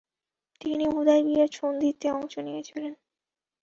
তিনি হুদায়বিয়ার সন্ধিতে অংশ নিয়েছিলেন।